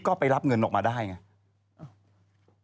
ก็ไปรับเงินออกมาได้ไง